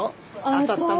当たったの？